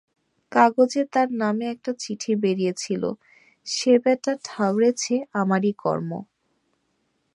কাগজে তার নামে একটা চিঠি বেরিয়েছিল, সে বেটা ঠাউরেছে আমারই কর্ম।